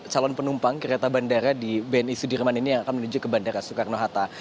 calon penumpang kereta bandara di bni sudirman ini yang akan menuju ke bandara soekarno hatta